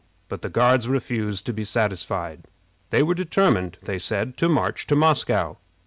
But the Guards refused to be satisfied. They were determined, they said, to march to Moscow.